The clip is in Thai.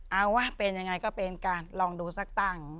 เอาว่าเป็นยังไงก็เป็นการลองดูสักตั้ง